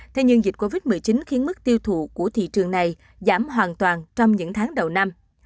thế nhưng dịch covid một mươi chín khiến mức tiêu thụ của thị trường này giảm hoàn toàn trong những tháng đầu năm